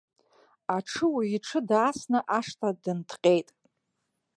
Аҽыуаҩ иҽы даасны ашҭа дынҭҟьеит.